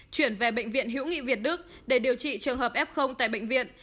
chuyển về bệnh viện hữu nghị việt đức để điều trị trường hợp f tại bệnh viện